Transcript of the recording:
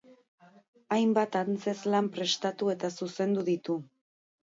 Hainbat antzezlan prestatu eta zuzendu ditu.